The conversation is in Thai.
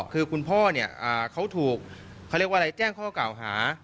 คือคุณพ่อเนี่ยเขาถูกเขาเรียกว่าอะไรแจ้งข้อกล่าวหา